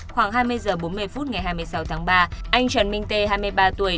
khoảng hai mươi h bốn mươi phút ngày hai mươi sáu tháng ba anh trần minh tê hai mươi ba tuổi